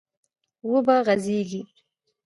و به غځېږي،